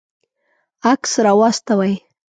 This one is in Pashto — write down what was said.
عکس راواستوئ